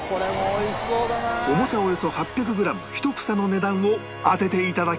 重さおよそ８００グラム１房の値段を当てていただきます